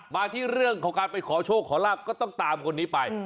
มาที่เรื่องของการไปขอโชคขอลาบก็ต้องตามคนนี้ไป